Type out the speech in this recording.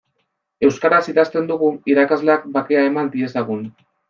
Euskaraz idazten dugu irakasleak bakea eman diezagun.